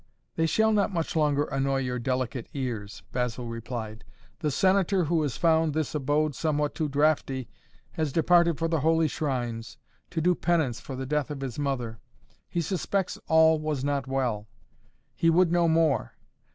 "They shall not much longer annoy your delicate ears," Basil replied. "The Senator who has found this abode somewhat too draughty has departed for the holy shrines, to do penance for the death of his mother. He suspects all was not well. He would know more.